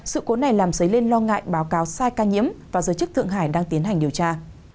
sự cố này làm dấy lên lo ngại báo cáo sai ca nhiễm và giới chức thượng hải đang tiến hành điều tra